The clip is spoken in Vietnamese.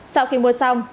sau khi mua xong